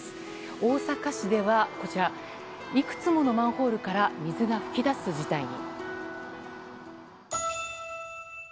大阪市ではいくつものマンホールから水が噴き出す事態に。